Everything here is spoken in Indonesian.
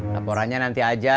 laporannya nanti aja